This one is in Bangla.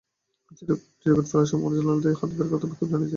চিরকুট ফেলার সময় তারা জানালা দিয়ে হাত বের করে বিক্ষোভ জানিয়েছে।